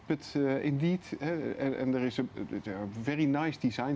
penyelamatan harus selalu dihentikan